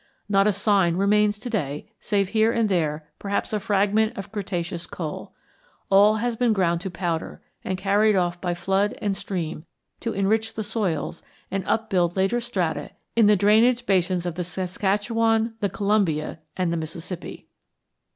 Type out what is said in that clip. Not a sign remains to day save here and there perhaps a fragment of Cretaceous coal. All has been ground to powder and carried off by flood and stream to enrich the soils and upbuild later strata in the drainage basins of the Saskatchewan, the Columbia, and the Mississippi.